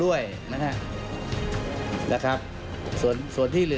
ส่วนต่างกระโบนการ